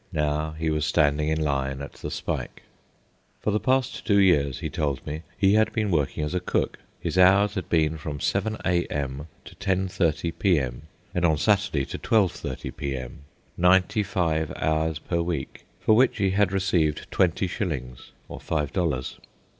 Now he was standing in line at the spike. For the past two years, he told me, he had been working as a cook. His hours had been from 7 a.m. to 10.30 p.m., and on Saturday to 12.30 p.m.—ninety five hours per week, for which he had received twenty shillings, or five dollars.